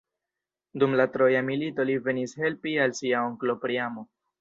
Dum la Troja milito li venis helpi al sia onklo Priamo.